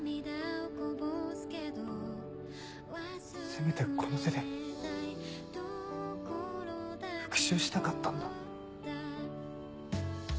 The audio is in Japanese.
せめてこの手で復讐したかったんだ。